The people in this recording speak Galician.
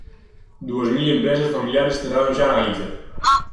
Dúas mil empresas familiares cerraron xa na Galiza.